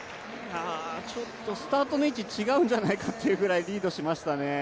スタートの位置違うんじゃないかというぐらいリードしましたね。